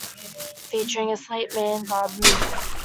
Featuring a slate mansard roof.